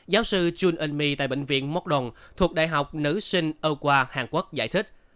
giáo sư jun in mi tại bệnh viện mokdong thuộc đại học nữ sinh âu qua hàn quốc giải thích